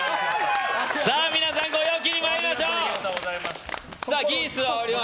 皆さん、ご陽気に参りましょう！